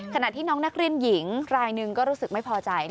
ขณะที่น้องนักเรียนหญิงรายหนึ่งก็รู้สึกไม่พอใจ